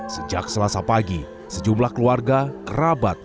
sejak selasa pagi sejumlah keluarga kerabat